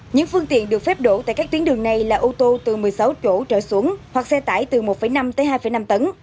những phương tiện được phép đổ tại các tuyến đường này là ô tô từ một mươi sáu chỗ trở xuống hoặc xe tải từ một năm tới hai năm tấn